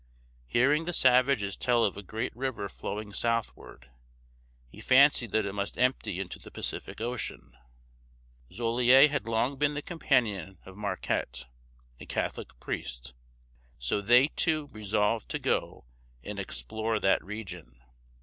Hearing the savages tell of a great river flowing southward, he fancied that it must empty into the Pacific Ocean. Joliet had long been the companion of Marquette (mar ket´), a Catholic priest, so they two resolved to go and explore that region.